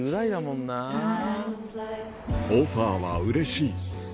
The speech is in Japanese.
オファーはうれしい。